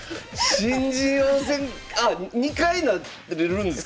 新人王戦あ２回なれるんですか？